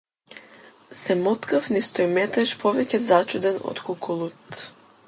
Се моткав низ тој метеж повеќе зачуден отколку лут.